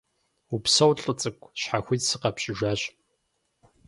Упсэу, лӀы цӀыкӀу, щхьэхуит сыкъэпщӀыжащ.